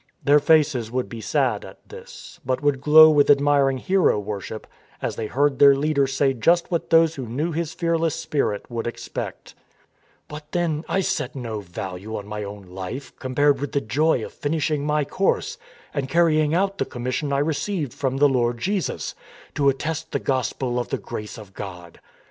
Their faces would be sad at this, but would glow with admiring hero worship as they heard their leader say just what those who knew his fearless spirit would expect :" But then, I set no value on my own life com pared with the joy of finishing my course and carry ing out the commission I received from the Lord Jesus, to attest the gospel of the grace of God.